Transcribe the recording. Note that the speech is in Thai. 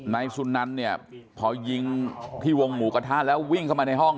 นายสุนันเนี่ยพอยิงที่วงหมูกระทะแล้ววิ่งเข้ามาในห้อง